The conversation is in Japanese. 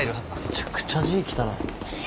めちゃくちゃ字汚い。